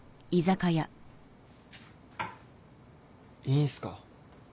いいんすか？